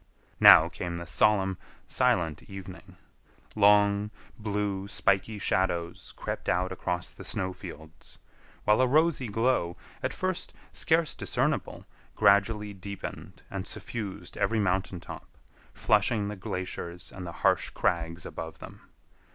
Now came the solemn, silent evening. Long, blue, spiky shadows crept out across the snow fields, while a rosy glow, at first scarce discernible, gradually deepened and suffused every mountain top, flushing the glaciers and the harsh crags above them.